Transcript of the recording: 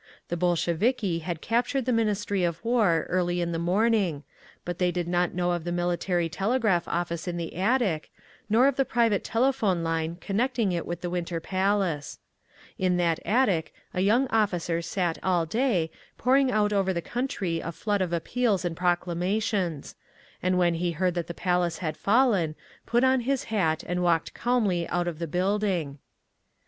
The Bolsheviki had captured the Ministry of War early in the morning, but they did not know of the military telegraph office in the attic, nor of the private telephone line connecting it with the Winter Palace. In that attic a young officer sat all day, pouring out over the country a flood of appeals and proclamations; and when he heard that the Palace had fallen, put on his hat and walked calmly out of the building….